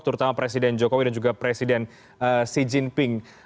terutama presiden jokowi dan juga presiden xi jinping